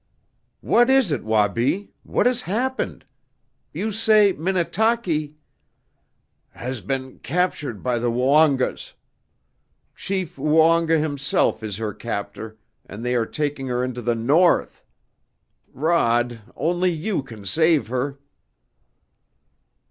"What is it, Wabi? What has happened? You say Minnetaki " "Has been captured by the Woongas. Chief Woonga himself is her captor, and they are taking her into the North. Rod, only you can save her!"